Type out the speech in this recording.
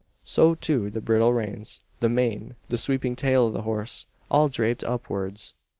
So, too, the bridle reins, the mane, and sweeping tail of the horse. All draped upwards!